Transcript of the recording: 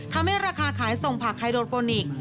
ทำให้ราคาขายส่งผักไฮโดโปนิกส์